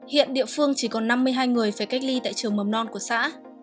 hiện địa phương chỉ còn năm mươi hai người phải cách ly tại trường mầm non của xã